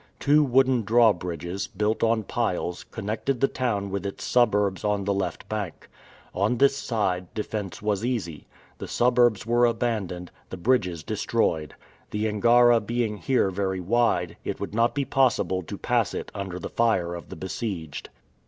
Two wooden draw bridges, built on piles, connected the town with its suburbs on the left bank. On this side, defence was easy. The suburbs were abandoned, the bridges destroyed. The Angara being here very wide, it would not be possible to pass it under the fire of the besieged.